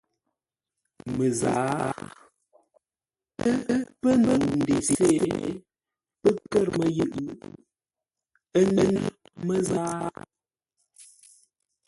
Məzǎa. Ə́ pə́ ndəu ndesé, pə́ kə̂r məyʉʼ, ə́ nyêr məzǎa.